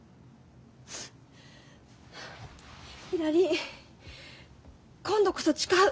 ひらり今度こそ誓う。